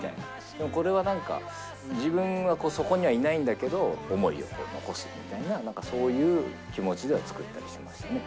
でもこれはなんか、自分はそこにはいないんだけど、思いを残すみたいな、なんかそういう気持ちで作ったりしましたね。